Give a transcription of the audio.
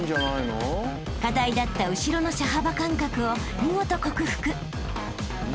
［課題だった後ろの車幅感覚を見事克服］